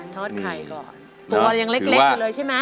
ตัวนั่งเล็กเลยใช่มะ